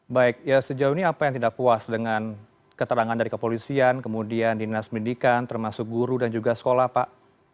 baik ya sejauh ini apa yang tidak puas dengan keterangan dari kepolisian kemudian dinas pendidikan termasuk guru dan juga sekolah pak